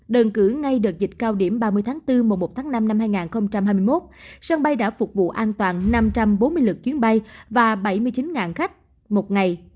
đơn cử ngay đợt dịch cao điểm ba mươi tháng bốn mùa một tháng năm năm hai nghìn hai mươi một sân bay đã phục vụ an toàn năm trăm bốn mươi lượt chuyến bay và bảy mươi chín khách một ngày